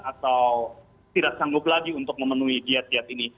atau tidak sanggup lagi untuk memenuhi diat diat ini